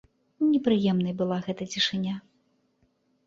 Непрыемнай была гэта цішыня.